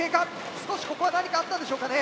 少しここは何かあったんでしょうかね？